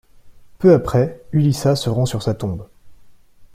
Peu après, Ulyssa se rend sur sa tombe.